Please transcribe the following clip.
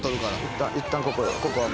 いったんここよ。